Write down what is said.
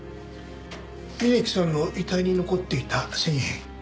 峯木さんの遺体に残っていた繊維片。